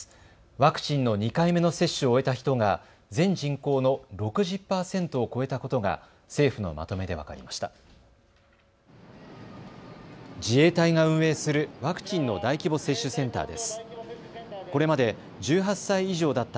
ワクチンの２回目の接種を終えた人が全人口の６０％を超えたことが政府のまとめで分かりました。